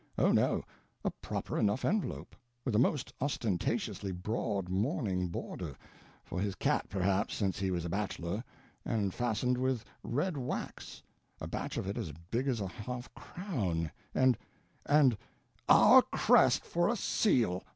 Oh, no, a proper enough envelope—with a most ostentatiously broad mourning border—for his cat, perhaps, since he was a bachelor—and fastened with red wax—a batch of it as big as a half crown—and—and—our crest for a seal!